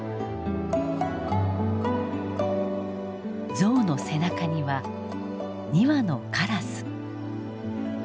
象の背中には２羽のカラス。